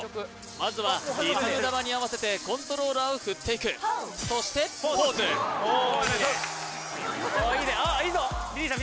まずはリズムダマに合わせてコントローラーを振っていくそしてポーズナイス・いいぞりりぃさん